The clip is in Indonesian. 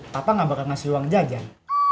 papa nggak bakal ngasih uang jajan